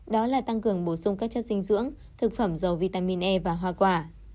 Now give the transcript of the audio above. đó là tăng cường bổ sung các chất dinh dưỡng thực phẩm dầu vitamin e và hoa quả